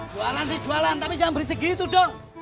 jualan sih jualan tapi jangan berisik gitu dong